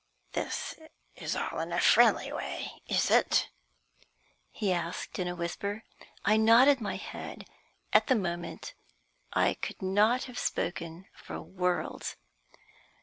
"This is all in a friendly way, is it?" he asked, in a whisper. I nodded my head. At that moment I could not have spoken for worlds.